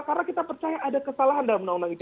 karena kita percaya ada kesalahan dalam undang undang ite